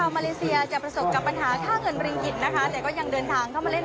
แม้จะลดการใช้จ่ายลงไปบ้าง